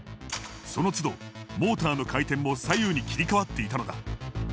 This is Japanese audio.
そのつどモーターの回転も左右に切り替わっていたのだ。